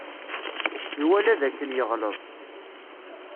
Iwala dakken yeɣleḍ.